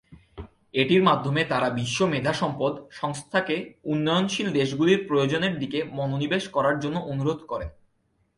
এটির মাধ্যমে তারা বিশ্ব মেধা সম্পদ সংস্থাকে উন্নয়নশীল দেশগুলির প্রয়োজনের দিকে মনোনিবেশ করার জন্য অনুরোধ করেন।